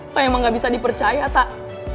pak emang gak bisa dipercaya tak